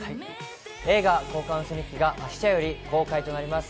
映画「交換ウソ日記」が明日より公開となります。